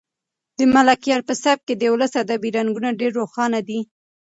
د ملکیار په سبک کې د ولسي ادب رنګونه ډېر روښانه دي.